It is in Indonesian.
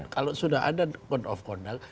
kalau sudah ada code of conduct